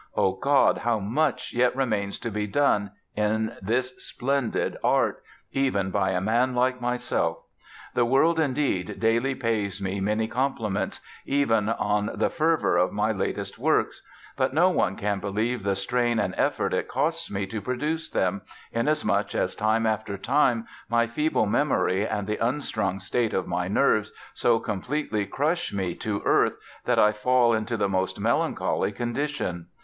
Oh God! how much yet remains to be done in this splendid art, even by a man like myself! The world, indeed, daily pays me many compliments, even on the fervor of my latest works; but no one can believe the strain and effort it costs me to produce them, inasmuch as time after time my feeble memory and the unstrung state of my nerves so completely crush me to earth, that I fall into the most melancholy condition.